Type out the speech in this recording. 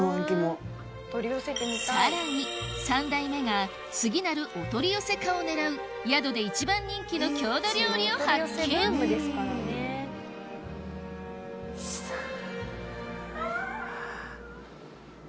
さらに３代目が次なるお取り寄せ化を狙う宿で一番人気の郷土料理を発見わぁ。